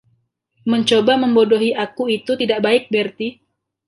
Mencoba membodohi aku itu tidak baik, Berti.